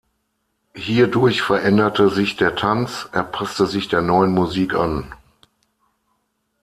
Hierdurch veränderte sich der Tanz, er passte sich der neuen Musik an.